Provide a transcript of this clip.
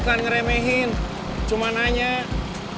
jangan dibikin keburu bukanya yaa